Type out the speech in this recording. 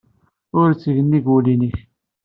Ur t-tteg nnig wul-nnek.